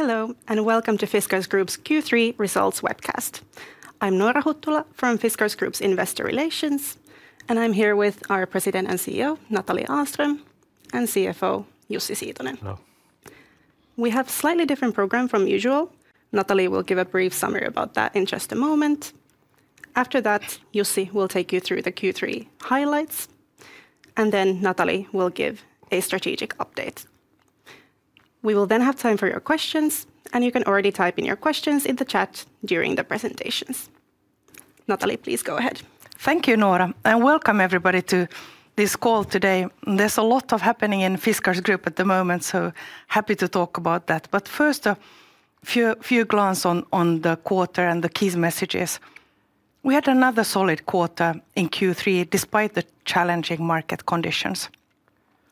Hello, and welcome to Fiskars Group's Q3 results webcast. I'm Noora Huttula from Fiskars Group's Investor Relations, and I'm here with our President and CEO, Nathalie Ahlström, and CFO, Jussi Siitonen. Hello. We have slightly different program from usual. Nathalie will give a brief summary about that in just a moment. After that, Jussi will take you through the Q3 highlights, and then Nathalie will give a strategic update. We will then have time for your questions, and you can already type in your questions in the chat during the presentations. Nathalie, please go ahead. Thank you, Noora, and welcome everybody to this call today. There's a lot of happening in Fiskars Group at the moment, so happy to talk about that. But first, a few glance on the quarter and the key messages. We had another solid quarter in Q3, despite the challenging market conditions.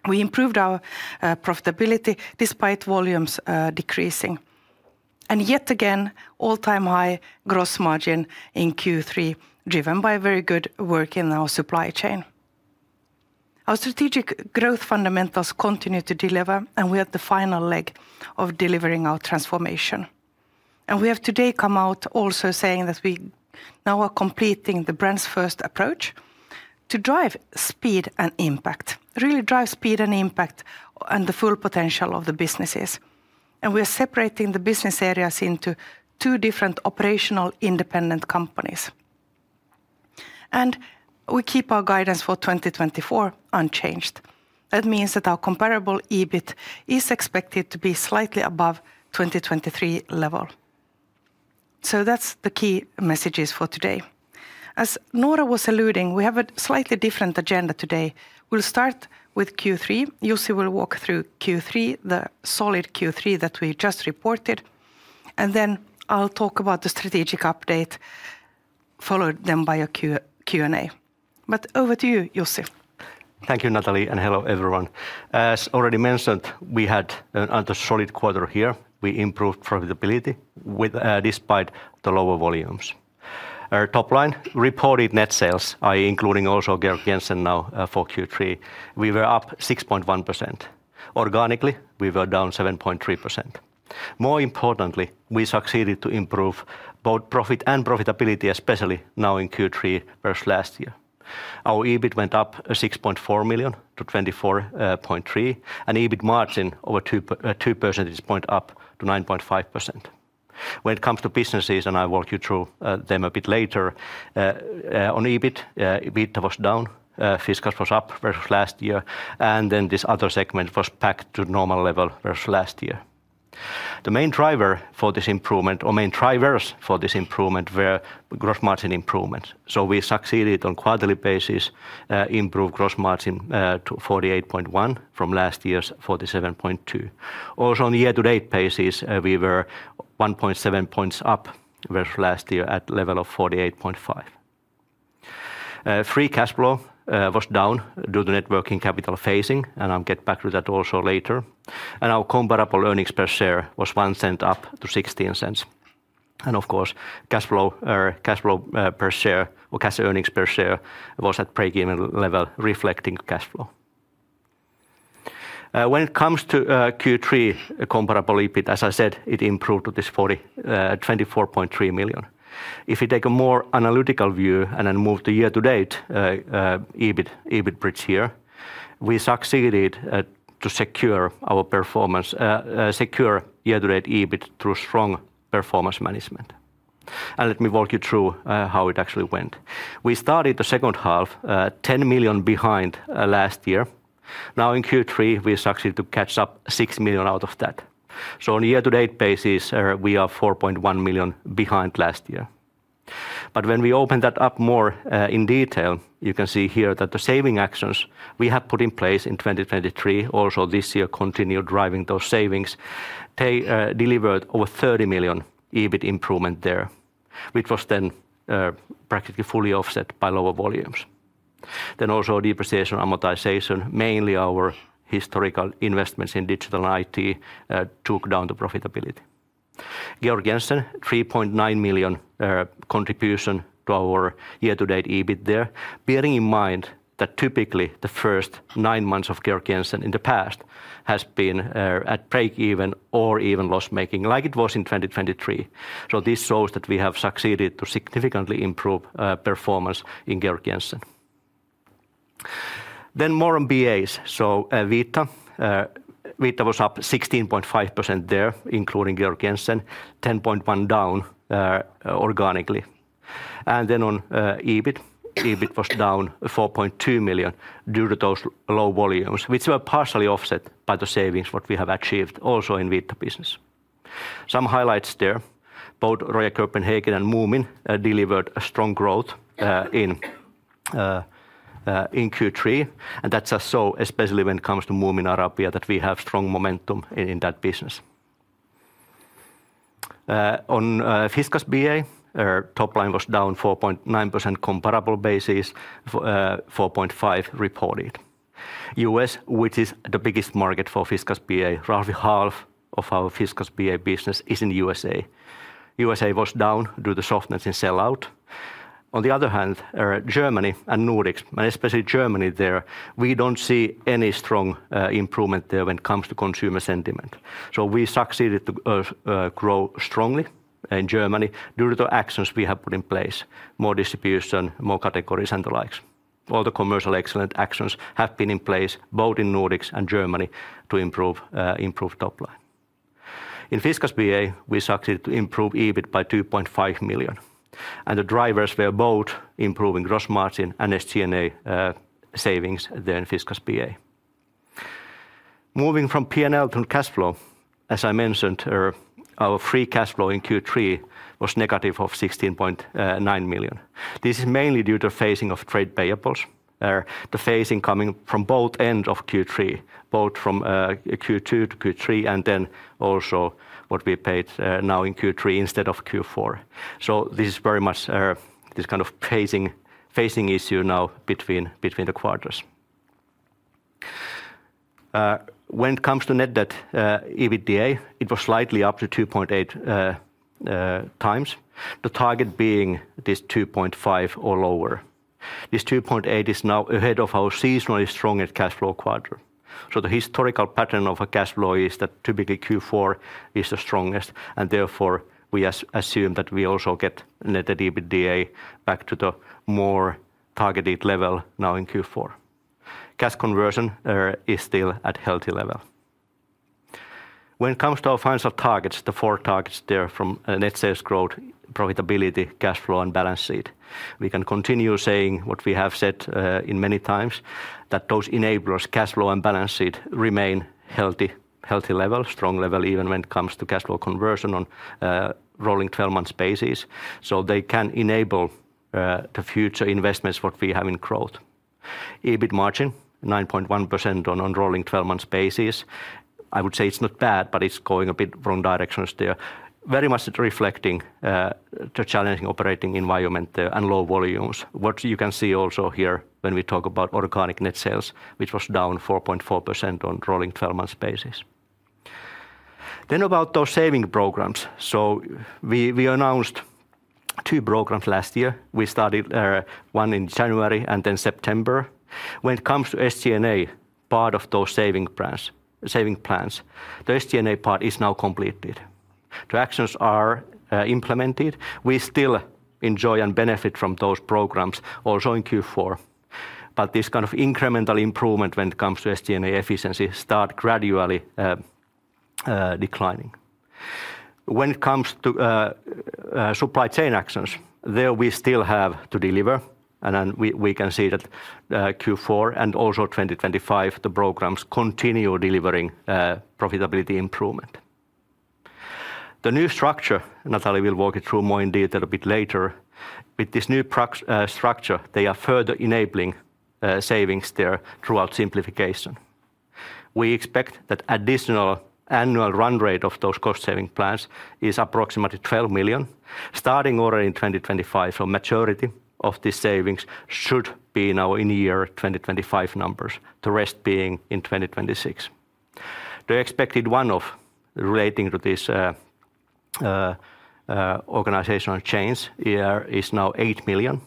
We improved our profitability despite volumes decreasing, and yet again, all-time high gross margin in Q3, driven by very good work in our supply chain. Our strategic growth fundamentals continue to deliver, and we're at the final leg of delivering our transformation, and we have today come out also saying that we now are completing the Brands First approach to drive speed and impact, really drive speed and impact, and the full potential of the businesses, and we're separating the business areas into two different operational independent companies. We keep our guidance for 2024 unchanged. That means that our comparable EBIT is expected to be slightly above 2023 level. So that's the key messages for today. As Noora was alluding, we have a slightly different agenda today. We'll start with Q3. Jussi will walk through Q3, the solid Q3 that we just reported, and then I'll talk about the strategic update, followed then by a Q&A. But over to you, Jussi. Thank you, Nathalie, and hello, everyone. As already mentioned, we had a very solid quarter here. We improved profitability with, despite the lower volumes. Our top line reported net sales, are including also Georg Jensen now, for Q3, we were up 6.1%. Organically, we were down 7.3%. More importantly, we succeeded to improve both profit and profitability, especially now in Q3 versus last year. Our EBIT went up 6.4 million to 24.3 million, and EBIT margin over two percentage points up to 9.5%. When it comes to businesses, and I'll walk you through them a bit later, on EBIT, EBIT was down, Fiskars was up versus last year, and then this other segment was back to normal level versus last year. The main driver for this improvement, or main drivers for this improvement, were gross margin improvements, so we succeeded on quarterly basis, improved gross margin to 48.1 from last year's 47.2. Also, on the year-to-date basis, we were 1.7 points up versus last year at level of 48.5. Free cash flow was down due to net working capital phasing, and I'll get back to that also later, and our comparable earnings per share was 0.01 up to 0.16, and of course, cash flow, or cash flow per share, or cash earnings per share, was at break-even level, reflecting cash flow. When it comes to Q3 comparable EBIT, as I said, it improved to 24.3 million. If you take a more analytical view and then move to year-to-date, EBIT, EBIT bridge here, we succeeded to secure our performance, secure year-to-date EBIT through strong performance management. And let me walk you through how it actually went. We started the second half, 10 million behind last year. Now, in Q3, we succeeded to catch up 6 million out of that. So on a year-to-date basis, we are 4.1 million behind last year. But when we open that up more in detail, you can see here that the saving actions we have put in place in 2023, also this year, continued driving those savings. They delivered over 30 million EBIT improvement there, which was then practically fully offset by lower volumes. Then also, depreciation, amortization, mainly our historical investments in digital IT, took down the profitability. Georg Jensen, 3.9 million contribution to our year-to-date EBIT there. Bearing in mind that typically, the first nine months of Georg Jensen in the past has been at break-even or even loss-making, like it was in 2023. So this shows that we have succeeded to significantly improve performance in Georg Jensen. Then more on BAs. So Vita was up 16.5% there, including Georg Jensen, 10.1% down organically. And then on EBIT, EBIT was down 4.2 million due to those low volumes, which were partially offset by the savings what we have achieved also in Vita business. Some highlights there. Both Royal Copenhagen and Moomin delivered a strong growth in Q3, and that's also especially when it comes to Moomin Arabia, that we have strong momentum in that business. On Fiskars BA, our top line was down 4.9% comparable basis, 4.5% reported. U.S., which is the biggest market for Fiskars BA, roughly half of our Fiskars BA business is in USA. USA was down due to softness in sell-out. On the other hand, Germany and Nordics, and especially Germany there, we don't see any strong improvement there when it comes to consumer sentiment. So we succeeded to grow strongly in Germany due to the actions we have put in place. More distribution, more categories, and the likes. All the commercial excellent actions have been in place, both in Nordics and Germany, to improve top line. In Fiskars BA, we succeeded to improve EBIT by 2.5 million, and the drivers were both improving gross margin and SG&A savings there in Fiskars BA. Moving from P&L to cash flow, as I mentioned, our free cash flow in Q3 was negative of 16.9 million. This is mainly due to phasing of trade payables. The phasing coming from both end of Q3, both from Q2 to Q3, and then also what we paid now in Q3 instead of Q4. So this is very much this kind of phasing issue now between the quarters. When it comes to Net Debt/EBITDA, it was slightly up to 2.8 times. The target being this 2.5 or lower. This 2.8 is now ahead of our seasonally strongest cash flow quarter. The historical pattern of a cash flow is that typically Q4 is the strongest, and therefore, we assume that we also get net debt to EBITDA back to the more targeted level now in Q4. Cash conversion is still at healthy level. When it comes to our financial targets, the four targets there from a net sales growth, profitability, cash flow, and balance sheet, we can continue saying what we have said in many times, that those enablers, cash flow and balance sheet, remain healthy, healthy level, strong level, even when it comes to cash flow conversion on a rolling twelve months basis. They can enable the future investments what we have in growth. EBIT margin 9.1% on rolling twelve months basis. I would say it's not bad, but it's going a bit wrong directions there. Very much it reflecting the challenging operating environment there and low volumes. What you can see also here when we talk about organic net sales, which was down 4.4% on rolling twelve months basis. Then about those savings programs. So we announced two programs last year. We started one in January and then September. When it comes to SG&A, part of those savings plans, the SG&A part is now completed. The actions are implemented. We still enjoy and benefit from those programs also in Q4, but this kind of incremental improvement when it comes to SG&A efficiency start gradually declining. When it comes to supply chain actions, there we still have to deliver, and then we can see that Q4 and also 2025, the programs continue delivering profitability improvement. The new structure, Nathalie will walk it through more in detail a bit later. With this new structure, they are further enabling savings there throughout simplification. We expect that additional annual run rate of those cost-saving plans is approximately 12 million, starting already in 2025. So majority of these savings should be now in the year 2025 numbers, the rest being in 2026. The expected one-off relating to this organizational change here is now 8 million,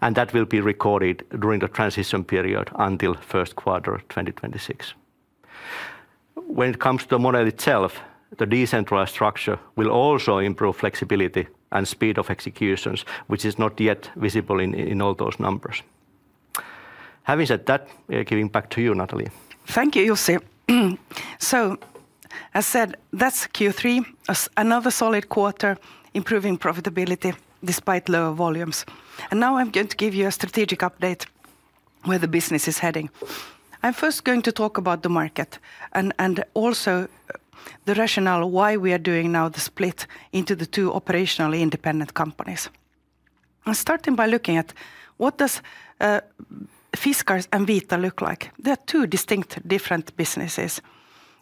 and that will be recorded during the transition period until first quarter of 2026. When it comes to the model itself, the decentralized structure will also improve flexibility and speed of executions, which is not yet visible in all those numbers. Having said that, giving back to you, Nathalie. Thank you, Jussi. So as said, that's Q3, as another solid quarter, improving profitability despite lower volumes. Now I'm going to give you a strategic update where the business is heading. I'm first going to talk about the market and also the rationale why we are doing now the split into the two operationally independent companies. I'm starting by looking at what does Fiskars and Vita look like? They are two distinct, different businesses,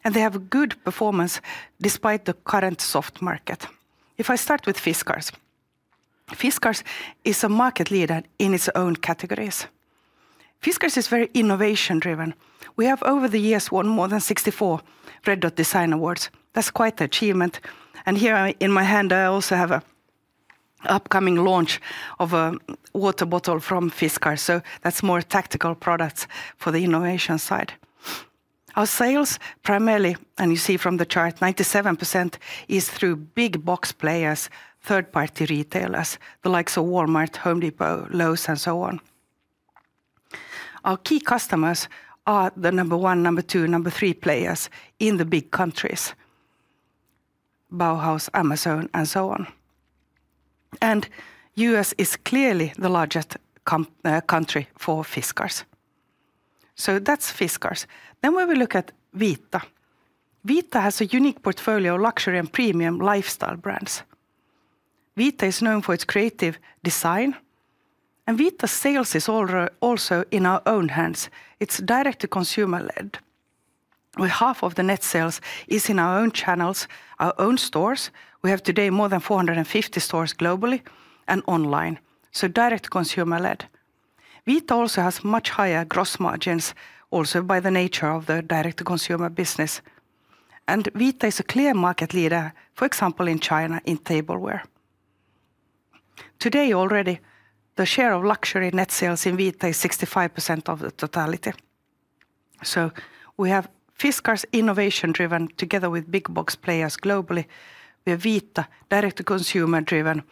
and they have good performance despite the current soft market. If I start with Fiskars, Fiskars is a market leader in its own categories. Fiskars is very innovation-driven. We have, over the years, won more than 64 Red Dot Design Awards. That's quite the achievement, and here in my hand, I also have an upcoming launch of a water bottle from Fiskars, so that's more tactical products for the innovation side. Our sales, primarily, and you see from the chart, 97% is through big box players, third-party retailers, the likes of Walmart, Home Depot, Lowe's, and so on. Our key customers are the number one, number two, number three players in the big countries, Bauhaus, Amazon, and so on. U.S. is clearly the largest country for Fiskars. So that's Fiskars. Then when we look at Vita, Vita has a unique portfolio of luxury and premium lifestyle brands. Vita is known for its creative design, and Vita's sales is also in our own hands. It's direct to consumer-led, with 50% of the net sales is in our own channels, our own stores. We have today more than 450 stores globally and online, so direct to consumer-led. Vita also has much higher gross margins, also by the nature of the direct to consumer business. Vita is a clear market leader, for example, in China, in tableware. Today, already, the share of luxury net sales in Vita is 65% of the totality. So we have Fiskars innovation-driven together with big box players globally. We have Vita, direct-to-consumer driven,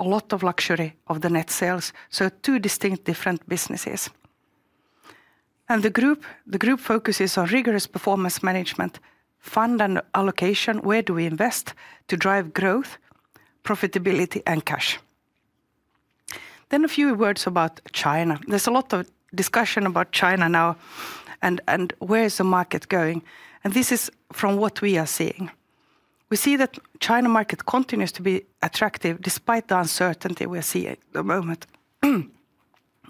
a lot of luxury of the net sales, so two distinct different businesses. The group focuses on rigorous performance management, fund and allocation, where do we invest to drive growth, profitability, and cash. A few words about China. There's a lot of discussion about China now, and where is the market going, and this is from what we are seeing. We see that China market continues to be attractive despite the uncertainty we are seeing at the moment.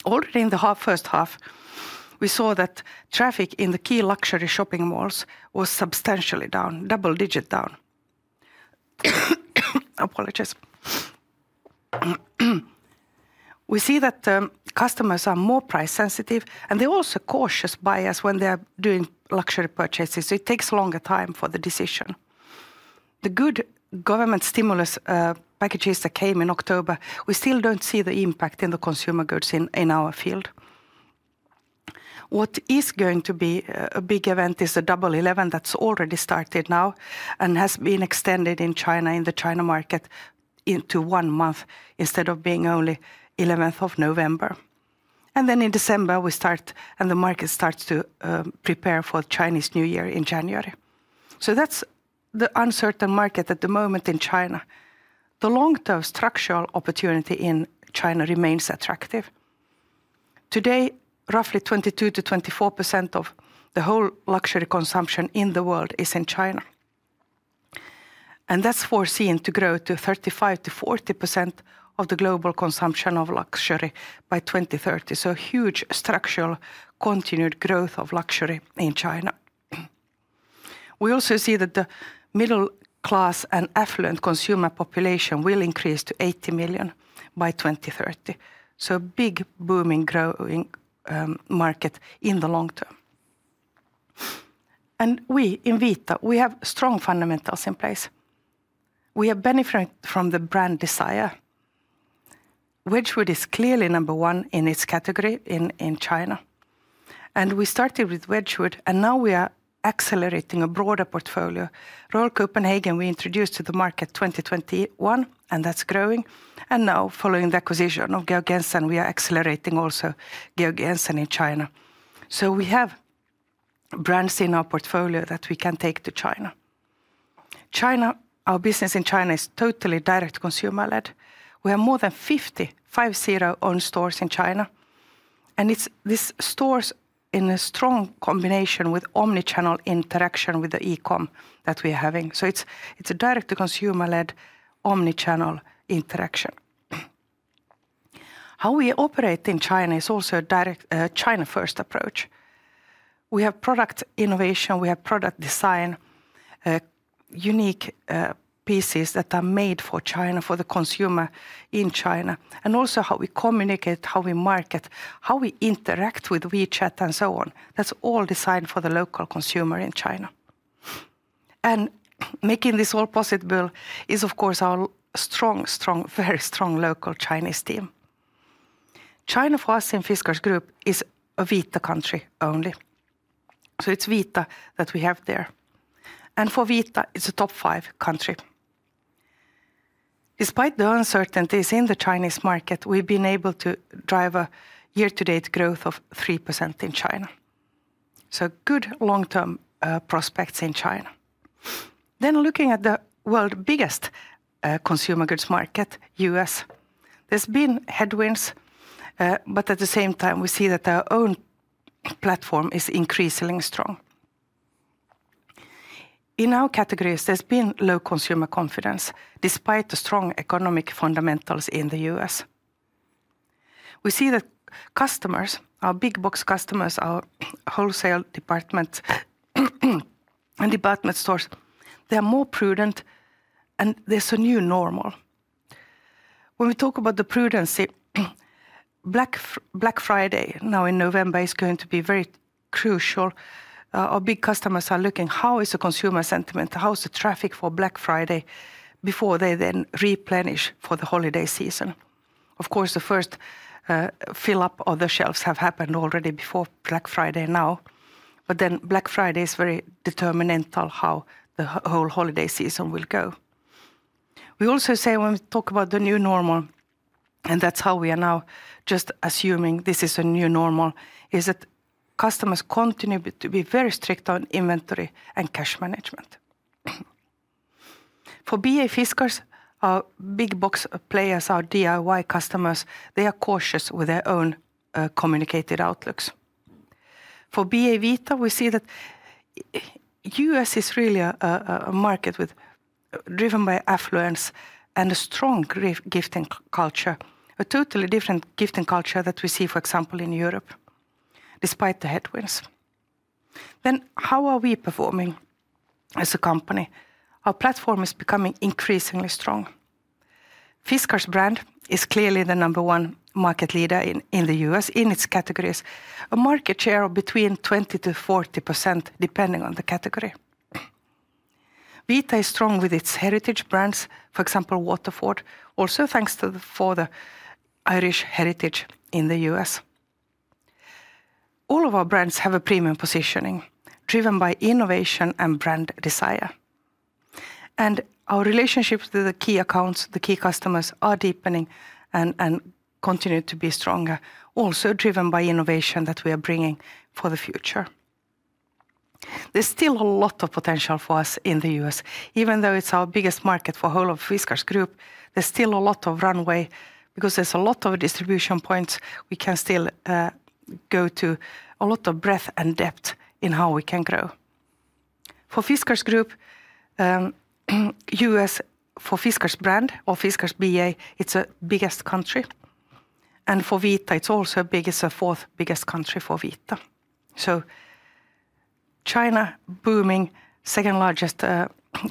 Already in the first half, we saw that traffic in the key luxury shopping malls was substantially down, double-digit down. Apologies. We see that customers are more price sensitive, and they're also cautious buyers when they are doing luxury purchases. It takes longer time for the decision. The good government stimulus packages that came in October, we still don't see the impact in the consumer goods in our field. What is going to be a big event is the Double 11 that's already started now and has been extended in China, in the China market, into one month instead of being only 11th of November. And then in December, and the market starts to prepare for Chinese New Year in January. So that's the uncertain market at the moment in China. The long-term structural opportunity in China remains attractive. Today, roughly 22%-24% of the whole luxury consumption in the world is in China, and that's foreseen to grow to 35%-40% of the global consumption of luxury by 2030, so huge structural continued growth of luxury in China. We also see that the middle class and affluent consumer population will increase to 80 million by 2030, so big, booming, growing market in the long term, and we, in Vita, we have strong fundamentals in place. We are benefiting from the brand desire. Wedgwood is clearly number one in its category in China, and we started with Wedgwood, and now we are accelerating a broader portfolio. Royal Copenhagen, we introduced to the market 2021, and that's growing. Now, following the acquisition of Georg Jensen, we are accelerating also Georg Jensen in China. So we have brands in our portfolio that we can take to China. China, our business in China is totally direct-to-consumer led. We have more than fifty, five, zero, own stores in China, and it's these stores in a strong combination with omni-channel interaction with the e-com that we are having. So it's a direct-to-consumer led, omni-channel interaction. How we operate in China is also a direct, China-first approach. We have product innovation. We have product design, unique pieces that are made for China, for the consumer in China. And also, how we communicate, how we market, how we interact with WeChat and so on, that's all designed for the local consumer in China. And making this all possible is, of course, our strong, strong, very strong local Chinese team. China, for us in Fiskars Group, is a Vita country only, so it's Vita that we have there, and for Vita, it's a top five country. Despite the uncertainties in the Chinese market, we've been able to drive a year-to-date growth of 3% in China, so good long-term prospects in China. Then looking at the world's biggest consumer goods market, U.S., there's been headwinds, but at the same time, we see that our own platform is increasingly strong. In our categories, there's been low consumer confidence despite the strong economic fundamentals in the U.S. We see that customers, our big box customers, our wholesale department and department stores, they are more prudent, and there's a new normal. When we talk about the prudence, Black Friday, now in November, is going to be very crucial. Our big customers are looking, "How is the consumer sentiment? How is the traffic for Black Friday?" Before they then replenish for the holiday season. Of course, the first fill up of the shelves have happened already before Black Friday now, but then Black Friday is very determinantal how the whole holiday season will go. We also say, when we talk about the new normal, and that's how we are now just assuming this is a new normal, is that customers continue to be very strict on inventory and cash management. For BA Fiskars, our big box players, our DIY customers, they are cautious with their own communicated outlooks. For BA Vita, we see that U.S. is really a market with. Driven by affluence and a strong gifting culture, a totally different gifting culture that we see, for example, in Europe, despite the headwinds. Then, how are we performing as a company? Our platform is becoming increasingly strong. The Fiskars brand is clearly the number one market leader in the U.S. in its categories. A market share of between 20%-40%, depending on the category. Vita is strong with its heritage brands, for example, Waterford, also thanks to the Irish heritage in the U.S. All of our brands have a premium positioning, driven by innovation and brand desire. And our relationships with the key accounts, the key customers, are deepening and continue to be stronger, also driven by innovation that we are bringing for the future. There's still a lot of potential for us in the U.S., even though it's our biggest market for whole of Fiskars Group, there's still a lot of runway because there's a lot of distribution points we can still, go to, a lot of breadth and depth in how we can grow. For Fiskars Group, U.S. for Fiskars brand or Fiskars BA, it's a biggest country, and for Vita, it's also big. It's the fourth biggest country for Vita. So China, booming, second-largest,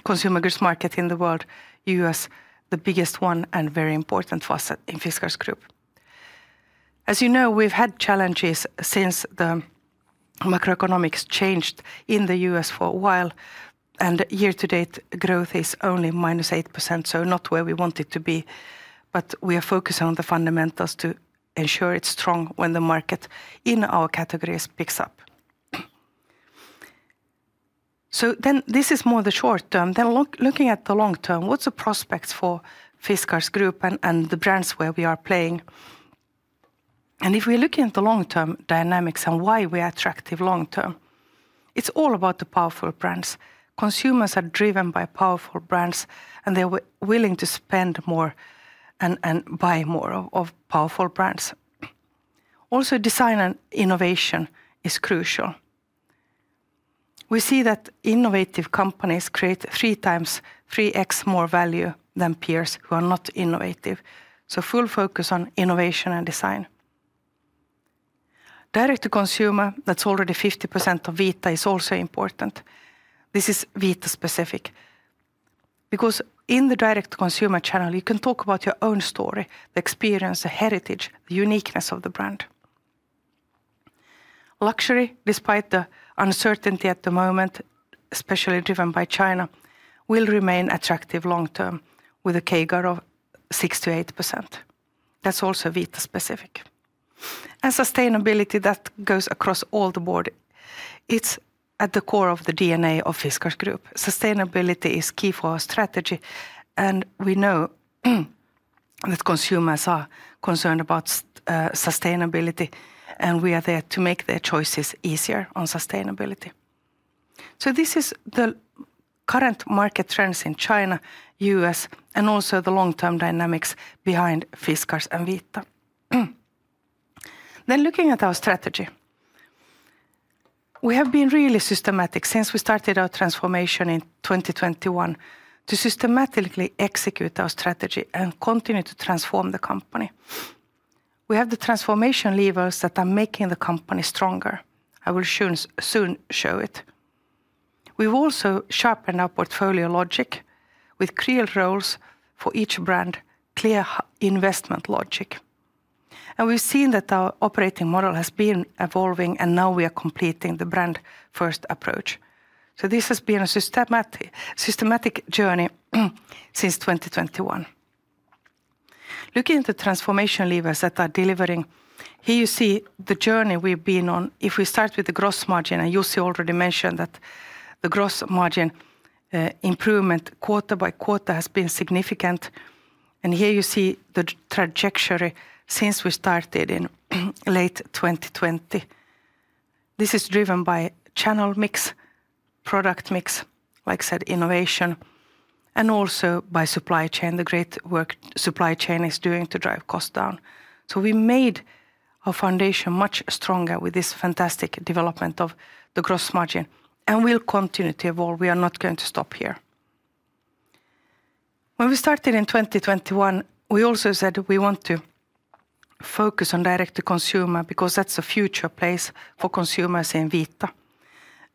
consumer goods market in the world. U.S., the biggest one, and very important for us in Fiskars Group. As you know, we've had challenges since the macroeconomics changed in the U.S. for a while, and year-to-date growth is only minus 8%, so not where we want it to be, but we are focused on the fundamentals to ensure it's strong when the market in our categories picks up. This is more the short term. Looking at the long term, what's the prospects for Fiskars Group and the brands where we are playing? If we're looking at the long-term dynamics and why we are attractive long term, it's all about the powerful brands. Consumers are driven by powerful brands, and they are willing to spend more and buy more of powerful brands. Also, design and innovation is crucial. We see that innovative companies create three times, 3x more value than peers who are not innovative, so full focus on innovation and design. Direct-to-consumer, that's already 50% of Vita, is also important. This is Vita specific. Because in the direct-to-consumer channel, you can talk about your own story, the experience, the heritage, the uniqueness of the brand. Luxury, despite the uncertainty at the moment, especially driven by China, will remain attractive long term, with a CAGR of 6%-8%. That's also Vita specific. And sustainability, that goes across all the board. It's at the core of the DNA of Fiskars Group. Sustainability is key for our strategy, and we know that consumers are concerned about sustainability, and we are there to make their choices easier on sustainability. This is the current market trends in China, U.S., and also the long-term dynamics behind Fiskars and Vita. Looking at our strategy, we have been really systematic since we started our transformation in 2021 to systematically execute our strategy and continue to transform the company. We have the transformation levers that are making the company stronger. I will soon show it. We've also sharpened our portfolio logic with clear roles for each brand, clear investment logic, and we've seen that our operating model has been evolving, and now we are completing the Brand First approach. This has been a systematic journey since 2021. Looking at the transformation levers that are delivering, here you see the journey we've been on. If we start with the gross margin, and Jussi already mentioned that the gross margin improvement, quarter by quarter, has been significant, and here you see the trajectory since we started in late 2020. This is driven by channel mix, product mix, like I said, innovation, and also by supply chain, the great work supply chain is doing to drive costs down, so we made our foundation much stronger with this fantastic development of the gross margin, and we'll continue to evolve. We are not going to stop here. When we started in 2021, we also said we want to focus on direct-to-consumer because that's a future place for consumers in Vita,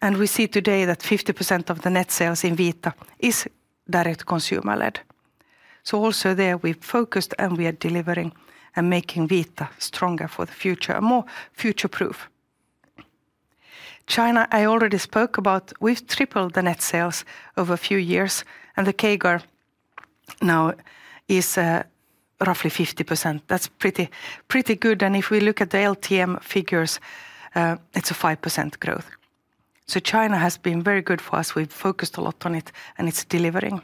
and we see today that 50% of the net sales in Vita is direct-to-consumer led. Also there, we focused, and we are delivering and making Vita stronger for the future, and more future-proof. China, I already spoke about. We've tripled the net sales over a few years, and the CAGR now is roughly 50%. That's pretty, pretty good, and if we look at the LTM figures, it's a 5% growth. So China has been very good for us. We've focused a lot on it, and it's delivering.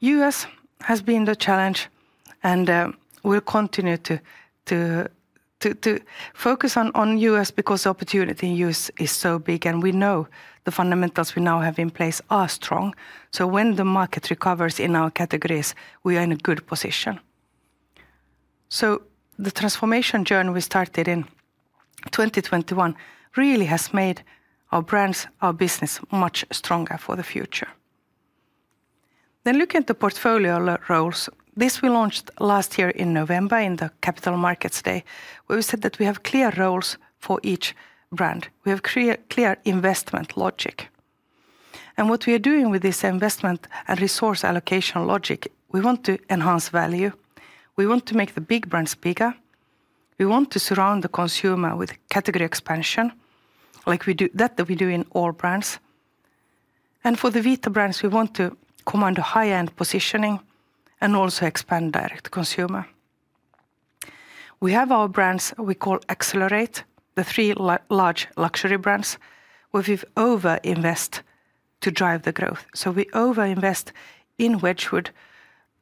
U.S. has been the challenge, and we'll continue to focus on U.S. because opportunity in U.S. is so big, and we know the fundamentals we now have in place are strong. So when the market recovers in our categories, we are in a good position. So the transformation journey we started in 2021 really has made our brands, our business, much stronger for the future. Then looking at the portfolio roles, this we launched last year in November in the capital markets day, where we said that we have clear roles for each brand. We have clear investment logic. And what we are doing with this investment and resource allocation logic, we want to enhance value. We want to make the big brands bigger. We want to surround the consumer with category expansion, like we do, that we do in all brands. And for the Vita brands, we want to command a high-end positioning and also expand direct to consumer. We have our brands we call Accelerate, the three large luxury brands, where we've over-invest to drive the growth. So we over-invest in Wedgwood,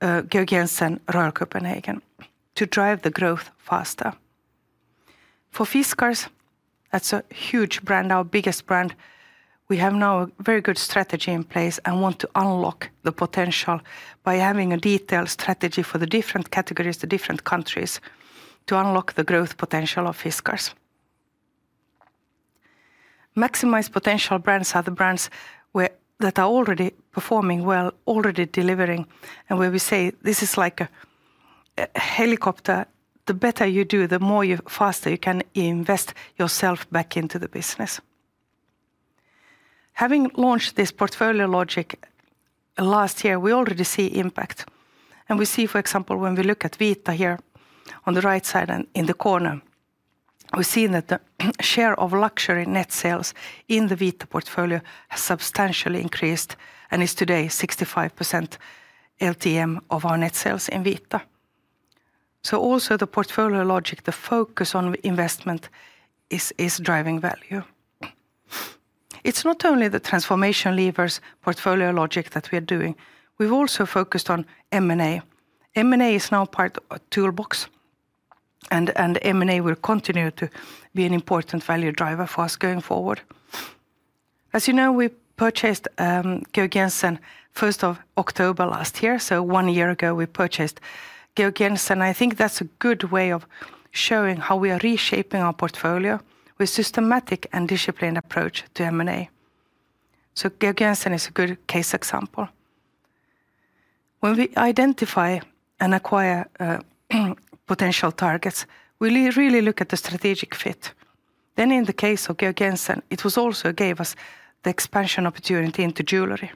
Georg Jensen, Royal Copenhagen, to drive the growth faster. For Fiskars, that's a huge brand, our biggest brand, we have now a very good strategy in place and want to unlock the potential by having a detailed strategy for the different categories, the different countries, to unlock the growth potential of Fiskars. Maximized potential brands are the brands where, that are already performing well, already delivering, and where we say, "This is like a, a helicopter. The better you do, the more you, faster you can invest yourself back into the business." Having launched this portfolio logic last year, we already see impact, and we see, for example, when we look at Vita here on the right side and in the corner, we've seen that the share of luxury net sales in the Vita portfolio has substantially increased and is today 65% LTM of our net sales in Vita. So also the portfolio logic, the focus on investment is driving value. It's not only the transformation levers, portfolio logic that we are doing. We've also focused on M&A. M&A is now part of our toolbox, and M&A will continue to be an important value driver for us going forward. As you know, we purchased Georg Jensen 1st of October last year, so one year ago, we purchased Georg Jensen, and I think that's a good way of showing how we are reshaping our portfolio with systematic and disciplined approach to M&A, so Georg Jensen is a good case example. When we identify and acquire potential targets, we really look at the strategic fit, then in the case of Georg Jensen, it was also gave us the expansion opportunity into jewelry.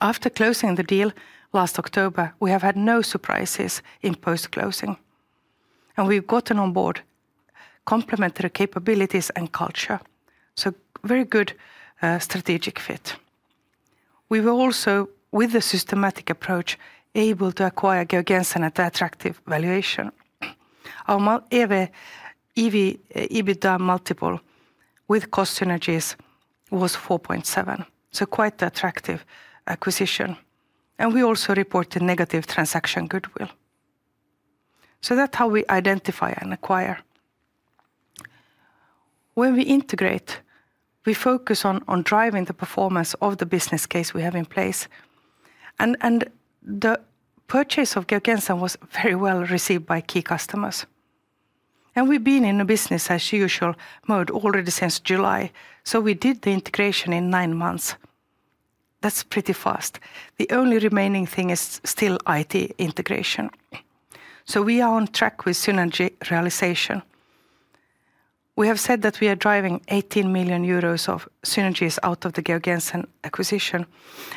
After closing the deal last October, we have had no surprises in post-closing, and we've gotten on board complementary capabilities and culture, so very good strategic fit. We were also, with the systematic approach, able to acquire Georg Jensen at an attractive valuation. Our EV/EBITDA multiple with cost synergies was 4.7, so quite attractive acquisition, and we also reported negative transaction goodwill. That's how we identify and acquire. When we integrate, we focus on driving the performance of the business case we have in place, and the purchase of Georg Jensen was very well-received by key customers, and we've been in a business-as-usual mode already since July. We did the integration in nine months. That's pretty fast. The only remaining thing is still IT integration, so we are on track with synergy realization. We have said that we are driving 18 million euros of synergies out of the Georg Jensen acquisition,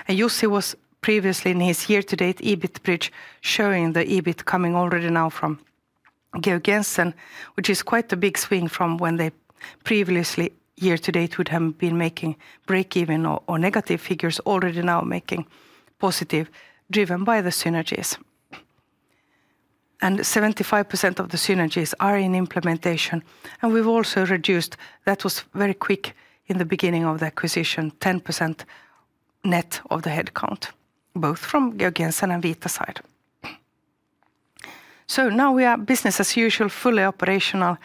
and Jussi was previously in his year-to-date EBIT bridge, showing the EBIT coming already now from Georg Jensen, which is quite a big swing from when they previously, year to date, would have been making break even or negative figures, already now making positive, driven by the synergies. Seventy-five percent of the synergies are in implementation, and we've also reduced, that was very quick in the beginning of the acquisition, 10% net of the headcount, both from Georg Jensen and Vita side. Now we are business as usual, fully operational.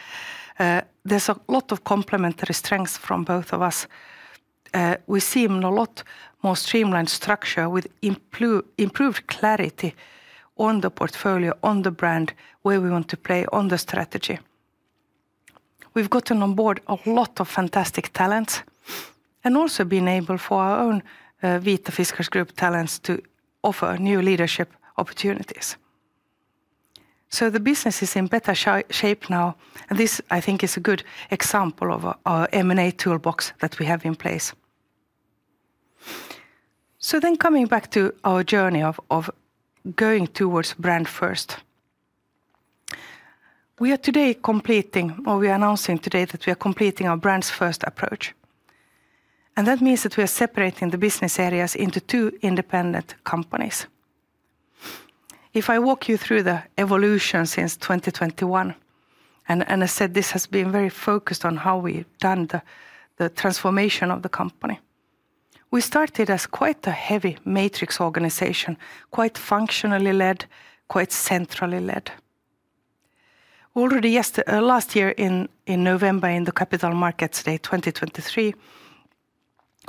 There's a lot of complementary strengths from both of us. We see even a lot more streamlined structure with improved clarity on the portfolio, on the brand, where we want to play on the strategy. We've gotten on board a lot of fantastic talents and also been able, for our own, Vita Fiskars Group talents, to offer new leadership opportunities. So the business is in better shape now, and this, I think, is a good example of our M&A toolbox that we have in place. So then coming back to our journey of going towards Brands First. We are today completing, or we are announcing today that we are completing our Brands First approach, and that means that we are separating the business areas into two independent companies. If I walk you through the evolution since 2021, and I said, this has been very focused on how we've done the transformation of the company. We started as quite a heavy matrix organization, quite functionally led, quite centrally led. Already, last year, in November, in the Capital Markets Day 2023,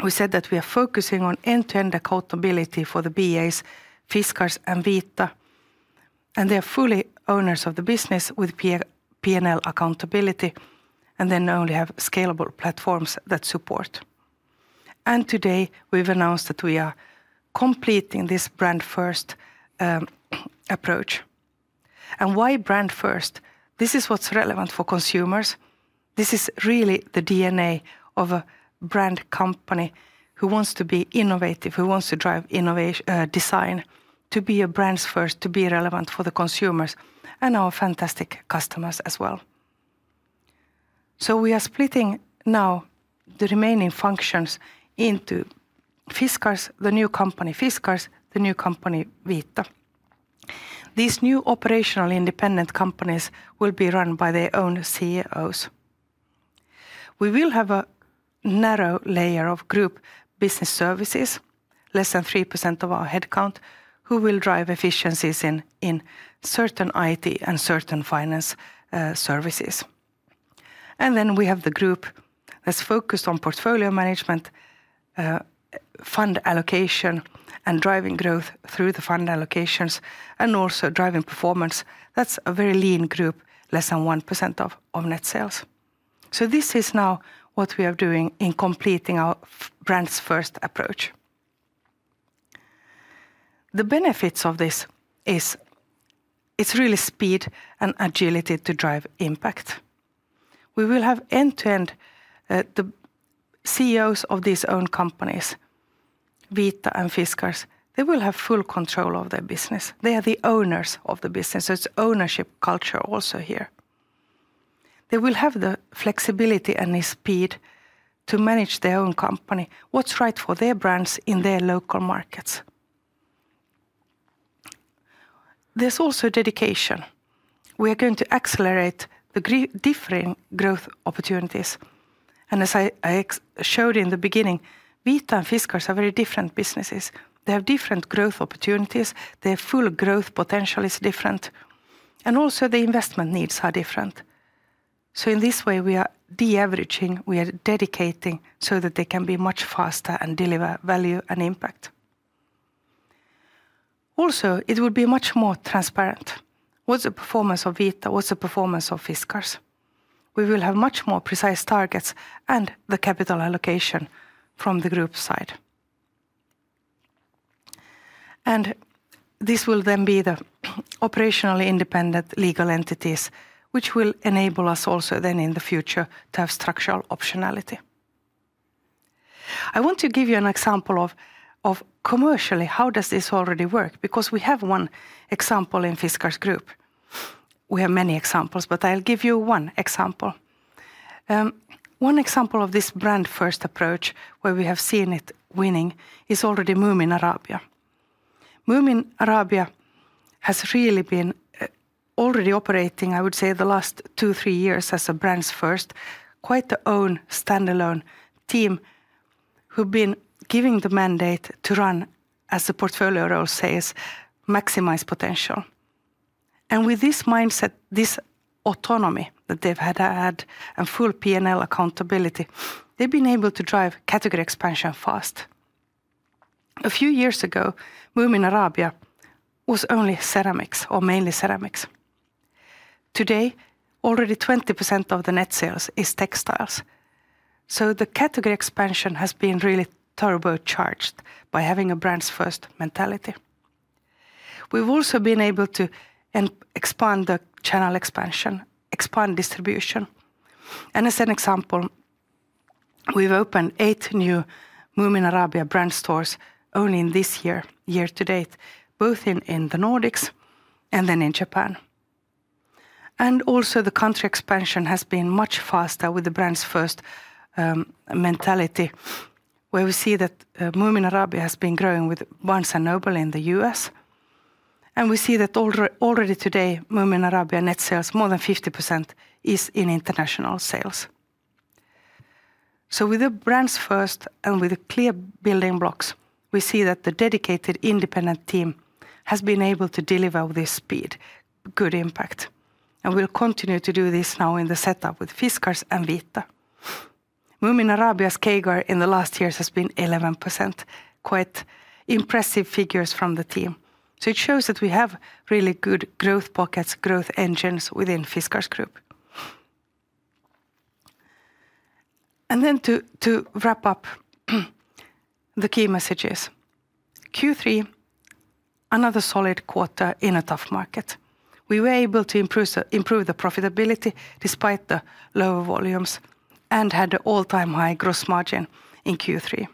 we said that we are focusing on end-to-end accountability for the BAs, Fiskars and Vita, and they are fully owners of the business with P&L accountability and then only have scalable platforms that support, and today, we've announced that we are completing this Brands First approach, and why Brands First? This is what's relevant for consumers. This is really the DNA of a brand company who wants to be innovative, who wants to drive innovative design, to be Brands First, to be relevant for the consumers and our fantastic customers as well, so we are splitting now the remaining functions into Fiskars, the new company Fiskars, the new company Vita. These new operationally independent companies will be run by their own CEOs. We will have a narrow layer of group business services, less than 3% of our headcount, who will drive efficiencies in certain IT and certain finance services. And then we have the group that's focused on portfolio management, fund allocation, and driving growth through the fund allocations, and also driving performance. That's a very lean group, less than 1% of net sales. So this is now what we are doing in completing our Brands First approach. The benefits of this is, it's really speed and agility to drive impact. We will have end-to-end, the CEOs of these own companies, Vita and Fiskars, they will have full control of their business. They are the owners of the business, so it's ownership culture also here. They will have the flexibility and the speed to manage their own company, what's right for their brands in their local markets. There's also dedication. We are going to accelerate the different growth opportunities, and as I showed in the beginning, Vita and Fiskars are very different businesses. They have different growth opportunities, their full growth potential is different, and also the investment needs are different. So in this way, we are de-averaging, we are dedicating so that they can be much faster and deliver value and impact. Also, it will be much more transparent. What's the performance of Vita? What's the performance of Fiskars? We will have much more precise targets and the capital allocation from the group side. And this will then be the operationally independent legal entities, which will enable us also then in the future to have structural optionality. I want to give you an example of commercially, how does this already work? Because we have one example in Fiskars Group. We have many examples, but I'll give you one example. One example of this Brand First approach, where we have seen it winning, is already Moomin Arabia. Moomin Arabia has really been already operating, I would say, the last two, three years as a brands first, quite their own standalone team, who've been giving the mandate to run, as the portfolio role says, "Maximize potential," and with this mindset, this autonomy that they've had to have, and full P&L accountability, they've been able to drive category expansion fast. A few years ago, Moomin Arabia was only ceramics, or mainly ceramics. Today, already 20% of the net sales is textiles, so the category expansion has been really turbocharged by having a brands first mentality. We've also been able to expand the channel expansion, expand distribution, and as an example, we've opened eight new Moomin Arabia brand stores only in this year, year to date, both in the Nordics and then in Japan, and also the country expansion has been much faster with the Brands First mentality, where we see that Moomin Arabia has been growing with Barnes & Noble in the U.S., and we see that already today, Moomin Arabia net sales, more than 50% is in international sales, so with the Brands First and with the clear building blocks, we see that the dedicated independent team has been able to deliver this speed, good impact, and we'll continue to do this now in the setup with Fiskars and Vita. Moomin Arabia's CAGR in the last years has been 11%, quite impressive figures from the team. It shows that we have really good growth pockets, growth engines within Fiskars Group. To wrap up, the key messages. Q3, another solid quarter in a tough market. We were able to improve the profitability despite the lower volumes, and had an all-time high gross margin in Q3.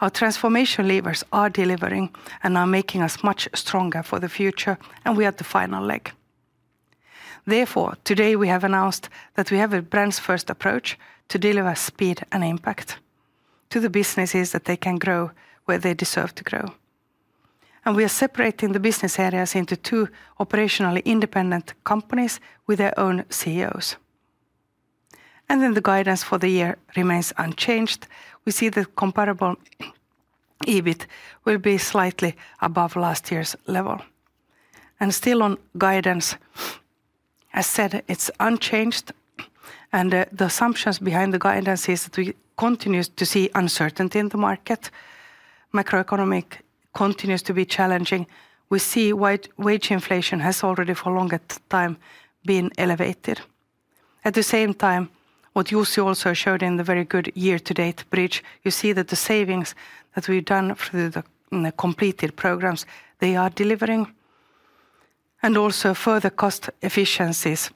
Our transformation levers are delivering and are making us much stronger for the future, and we are at the final leg. Therefore, today we have announced that we have a Brands First approach to deliver speed and impact to the businesses, that they can grow where they deserve to grow. We are separating the business areas into two operationally independent companies with their own CEOs. The guidance for the year remains unchanged. We see the comparable EBIT will be slightly above last year's level. And still on guidance, as said, it's unchanged, and the assumptions behind the guidance is that we continue to see uncertainty in the market. Macroeconomic continues to be challenging. We see wage inflation has already, for a longer time, been elevated. At the same time, what Jussi also showed in the very good year-to-date bridge, you see that the savings that we've done through the completed programs, they are delivering. And also further cost efficiencies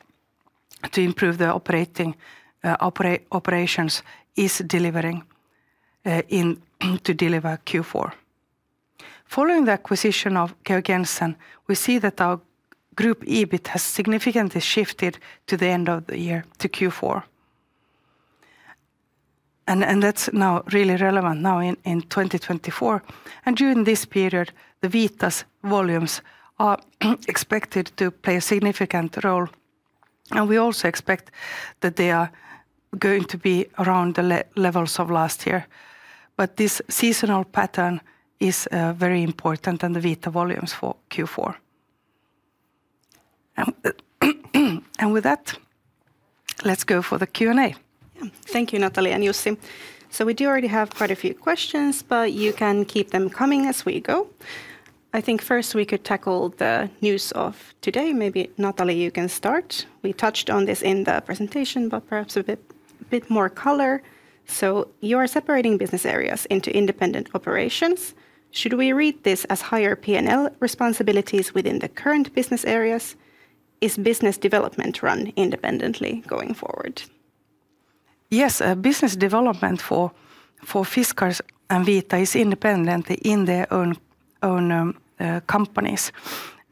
to improve the operating operations is delivering intended to deliver Q4. Following the acquisition of Georg Jensen, we see that our group EBIT has significantly shifted to the end of the year, to Q4. And that's now really relevant in 2024. During this period, Vita's volumes are expected to play a significant role, and we also expect that they are going to be around the levels of last year. This seasonal pattern is very important in the Vita volumes for Q4. With that, let's go for the Q&A. Yeah. Thank you, Nathalie and Jussi. So we do already have quite a few questions, but you can keep them coming as we go. I think first we could tackle the news of today. Maybe Nathalie, you can start. We touched on this in the presentation, but perhaps a bit more color. So you are separating business areas into independent operations. Should we read this as higher P&L responsibilities within the current business areas? Is business development run independently going forward? Yes, business development for Fiskars and Vita is independently in their own companies,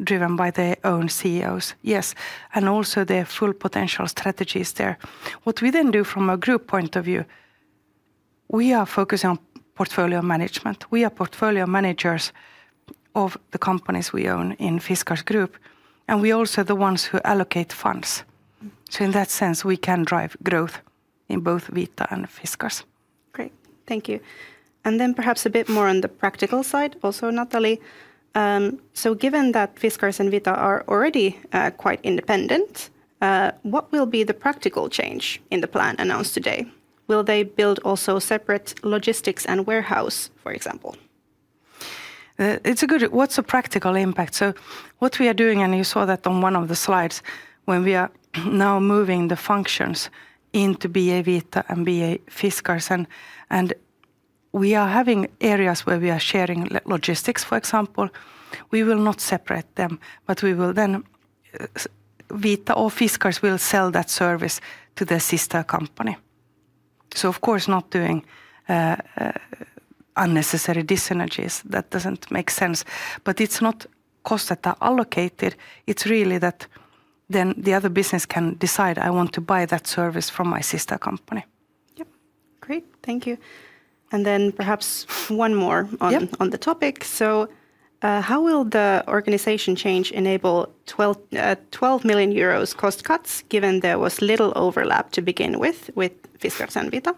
driven by their own CEOs. Yes, and also, their full potential strategy is there. What we then do from a group point of view, we are focusing on portfolio management. We are portfolio managers of the companies we own in Fiskars Group, and we're also the ones who allocate funds. Mm. In that sense, we can drive growth in both Vita and Fiskars. Great, thank you. And then perhaps a bit more on the practical side, also, Nathalie. So given that Fiskars and Vita are already quite independent, what will be the practical change in the plan announced today? Will they build also separate logistics and warehouse, for example? It's a good. What's the practical impact? So what we are doing, and you saw that on one of the slides, when we are now moving the functions into BA Vita and BA Fiskars, and we are having areas where we are sharing logistics, for example. We will not separate them, but we will then Vita or Fiskars will sell that service to the sister company. So of course not doing unnecessary dis-synergies. That doesn't make sense. But it's not costs that are allocated, it's really that then the other business can decide, "I want to buy that service from my sister company. Yep. Great, thank you, and then perhaps one more on- Yep On the topic. So, how will the organization change enable 12 million euros cost cuts, given there was little overlap to begin with, with Fiskars and Vita,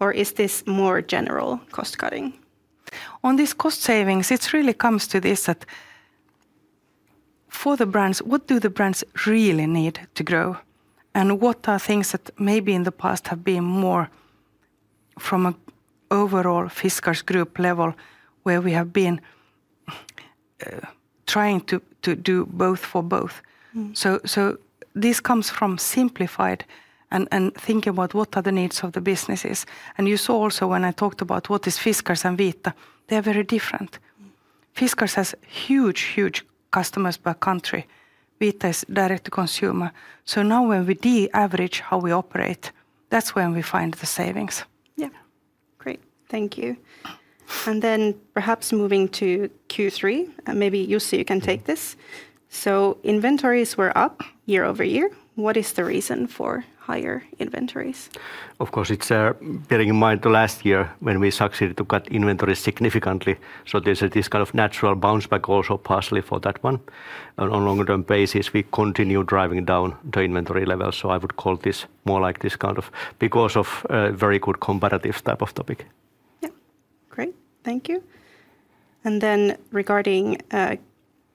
or is this more general cost cutting? On these cost savings, it really comes to this, that for the brands, what do the brands really need to grow? And what are things that maybe in the past have been more from a overall Fiskars Group level, where we have been trying to do both for both? Mm. This comes from simplification and thinking about what are the needs of the businesses. You saw also when I talked about what is Fiskars and Vita, they are very different. Mm. Fiskars has huge, huge customers per country. Vita is direct-to-consumer. So now when we de-average how we operate, that's when we find the savings. Yeah. Great, thank you. Yeah. And then, perhaps moving to Q3, and maybe, Jussi, you can take this. So, inventories were up year-over-year. What is the reason for higher inventories? Of course, it's bearing in mind the last year, when we succeeded to cut inventory significantly, so there's this kind of natural bounce back also partially for that one. On a longer term basis, we continue driving down the inventory levels, so I would call this more like this kind of because of very good comparative type of topic. Yeah. Great, thank you. And then regarding,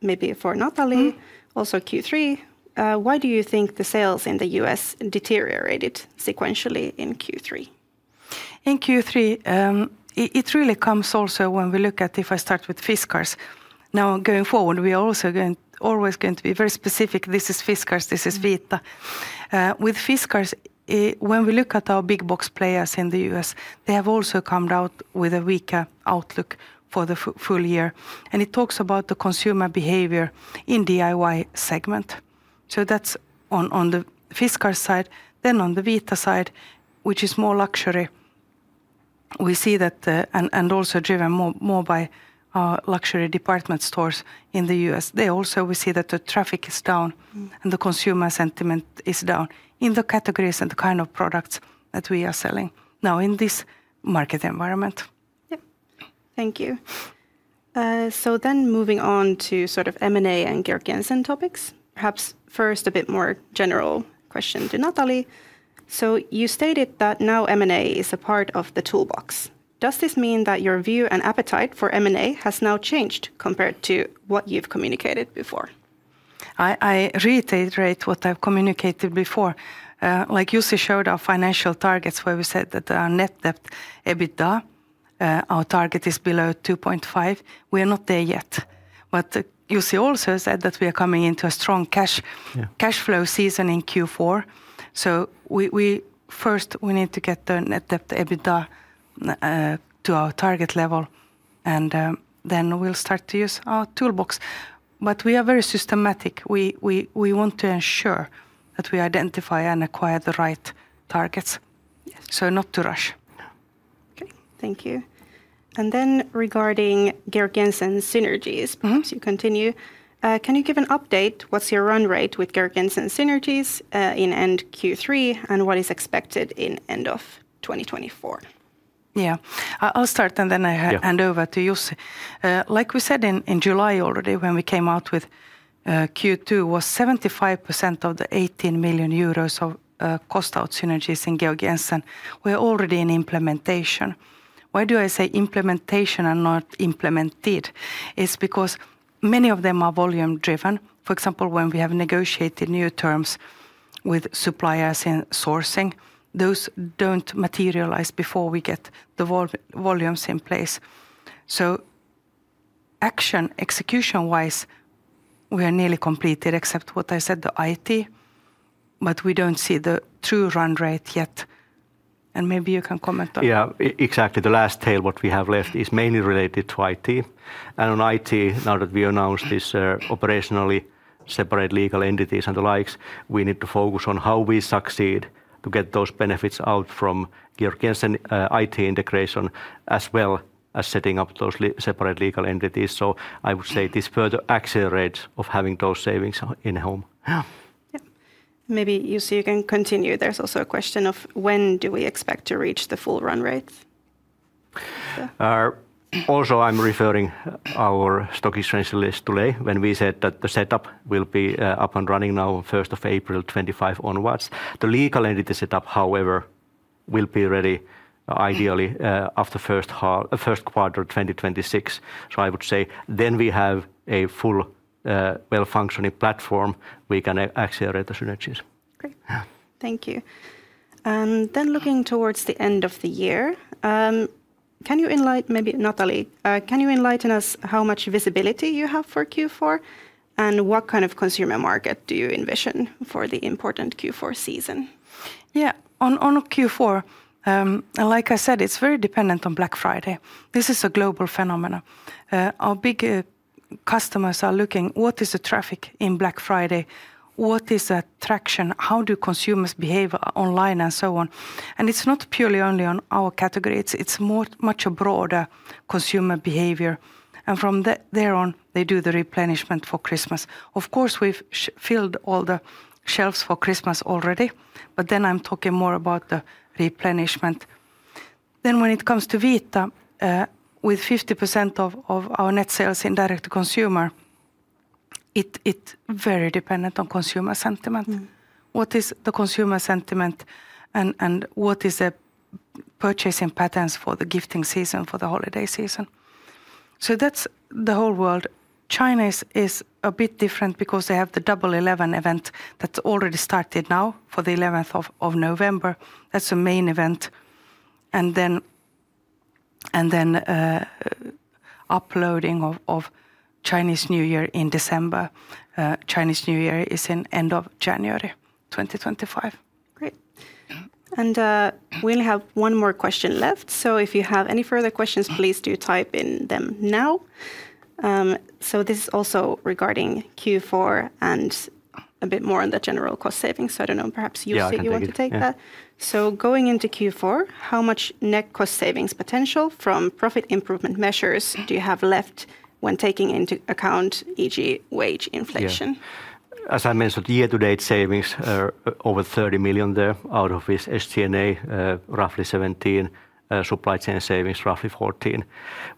maybe for Nathalie. Mm. Also Q3, why do you think the sales in the U.S. deteriorated sequentially in Q3? In Q3, it really comes also when we look at if I start with Fiskars. Now, going forward, we are also always going to be very specific, this is Fiskars, this is Vita. Mm. With Fiskars, when we look at our big box players in the U.S., they have also come out with a weaker outlook for the full year, and it talks about the consumer behavior in DIY segment. So that's on the Fiskars side. Then on the Vita side, which is more luxury, we see that and also driven by luxury department stores in the U.S. There also we see that the traffic is down. Mm And the consumer sentiment is down in the categories and the kind of products that we are selling now in this market environment. Yep. Thank you. So then, moving on to sort of M&A and Georg Jensen topics, perhaps first, a bit more general question to Nathalie. So you stated that now M&A is a part of the toolbox. Does this mean that your view and appetite for M&A has now changed compared to what you've communicated before? I reiterate what I've communicated before. Like Jussi showed our financial targets, where we said that our net debt EBITDA target is below two point five. We are not there yet, but Jussi also said that we are coming into a strong cash- Yeah Cash flow season in Q4, so we first need to get the net debt EBITDA to our target level, and then we'll start to use our toolbox. But we are very systematic. We want to ensure that we identify and acquire the right targets. Yes. So not to rush. No. Okay, thank you. And then regarding Georg Jensen synergies. Mm-hmm. As you continue, can you give an update? What's your run rate with Georg Jensen synergies, in end Q3, and what is expected in end of 2024? Yeah. I'll start, and then I Yeah Hand over to Jussi. Like we said in July already when we came out with Q2, 75% of the 18 million euros of cost out synergies in Georg Jensen were already in implementation. Why do I say implementation and not implemented? It's because many of it are volume driven. For example, when we have negotiated new terms with suppliers in sourcing, those don't materialize before we get the volumes in place. So action, execution-wise, we are nearly completed, except what I said, the IT, but we don't see the true run rate yet, and maybe you can comment on it. Yeah. Exactly, the last tail what we have left is mainly related to IT. And on IT, now that we announced this, operationally, separate legal entities and the likes, we need to focus on how we succeed to get those benefits out from Georg Jensen IT integration, as well as setting up those separate legal entities. So I would say this further accelerates of having those savings in home. Yeah. Yeah. Maybe, Jussi, you can continue. There's also a question of when do we expect to reach the full run rate? Also I'm referring to our stock exchange release today, when we said that the setup will be up and running now first of April 2025 onwards. The legal entity set-up, however, will be ready ideally after first quarter 2026. So I would say then we have a full well-functioning platform, we can accelerate the synergies. Great. Yeah. Thank you. And then looking towards the end of the year, maybe Nathalie, can you enlighten us how much visibility you have for Q4, and what kind of consumer market do you envision for the important Q4 season? Yeah. On Q4, like I said, it's very dependent on Black Friday. This is a global phenomenon. Our big customers are looking, what is the traffic in Black Friday? What is the traction? How do consumers behave online, and so on. And it's not purely only on our category, it's more much a broader consumer behavior. And from thereon, they do the replenishment for Christmas. Of course, we've filled all the shelves for Christmas already, but then I'm talking more about the replenishment. Then when it comes to Vita, with 50% of our net sales in direct consumer, it very dependent on consumer sentiment. Mm. What is the consumer sentiment, and what is the purchasing patterns for the gifting season, for the holiday season? So that is the whole world. China is a bit different because they have the Double 11 event that is already started now for the 11th of November. That is the main event. And then the build-up to Chinese New Year in December. Chinese New Year is at the end of January 2025. Great. Yeah. We only have one more question left, so if you have any further questions. Mm Please do type in them now. So this is also regarding Q4 and a bit more on the general cost savings, so I don't know, perhaps Jussi- Yeah, I can take it. You would like to take that? Yeah. So going into Q4, how much net cost savings potential from profit improvement measures do you have left when taking into account, e.g., wage inflation? Yeah. As I mentioned, year-to-date savings are over 30 million there, out of which SG&A, roughly 17, supply chain savings, roughly 14.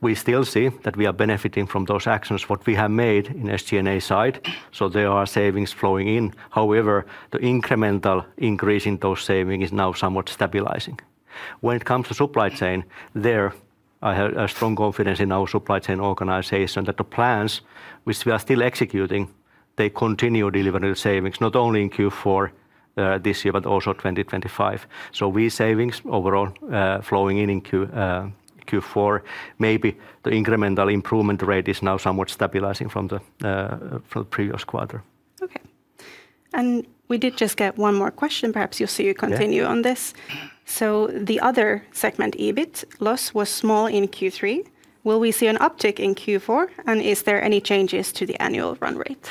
We still see that we are benefiting from those actions, what we have made in SG&A side, so there are savings flowing in. However, the incremental increase in those saving is now somewhat stabilizing. When it comes to supply chain, there I have a strong confidence in our supply chain organization that the plans, which we are still executing, they continue delivering the savings, not only in Q4, this year, but also 2025. So we savings overall, flowing in in Q4. Maybe the incremental improvement rate is now somewhat stabilizing from the previous quarter. Okay, and we did just get one more question. Perhaps, Jussi, you continue on this. Yeah. So the other segment, EBIT loss, was small in Q3. Will we see an uptick in Q4, and is there any changes to the annual run rate?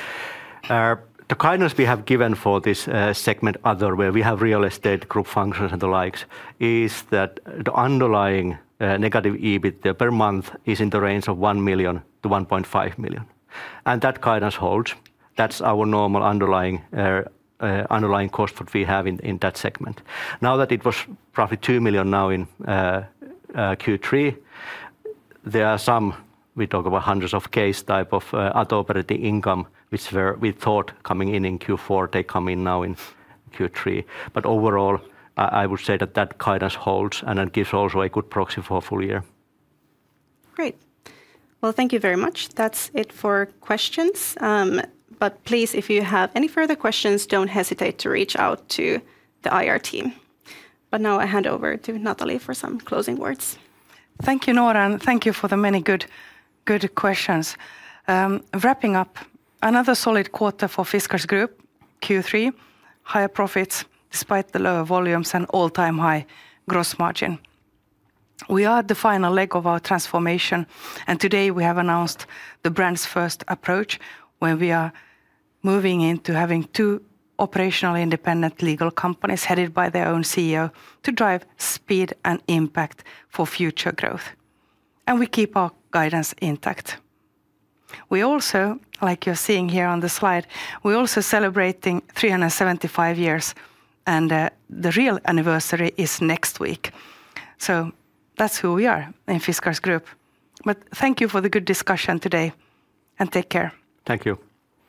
The guidance we have given for this segment, other, where we have real estate, group functions, and the likes, is that the underlying negative EBIT per month is in the range of 1 million to 1.5 million, and that guidance holds. That's our normal underlying cost that we have in that segment. Now, that it was roughly 2 million now in Q3, there are some. We talk about hundreds of case type of other operating income, which were we thought coming in in Q4, they come in now in Q3. But overall, I would say that that guidance holds, and it gives also a good proxy for a full year. Great. Well, thank you very much. That's it for questions, but please, if you have any further questions, don't hesitate to reach out to the IR team. But now I hand over to Nathalie for some closing words. Thank you, Noora, and thank you for the many good, good questions. Wrapping up another solid quarter for Fiskars Group, Q3. Higher profits, despite the lower volumes and all-time high gross margin. We are at the final leg of our transformation, and today we have announced the Brands First approach, where we are moving into having two operationally independent legal companies, headed by their own CEO, to drive speed and impact for future growth, and we keep our guidance intact. We also, like you're seeing here on the slide, we're also celebrating three hundred and seventy-five years, and the real anniversary is next week. So that's who we are in Fiskars Group. But thank you for the good discussion today, and take care. Thank you.